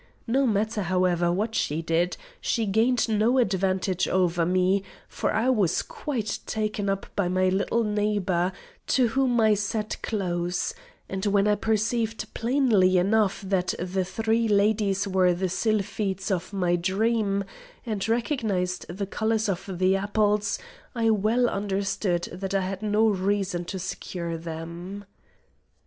No matter, however, what she did, she gained no advantage over me, for I was quite taken up by my little neighbour, to whom I sat close; and when I perceived plainly enough that the three ladies were the sylphides of my dream, and recognised the colours of the apples, I well understood that I had no reason to secure them.